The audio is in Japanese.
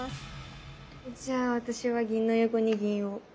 じゃあ私は銀の横に銀を。